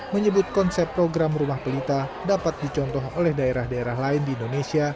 menyebut konsep program rumah pelita dapat dicontoh oleh daerah daerah lain di indonesia